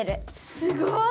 すごい！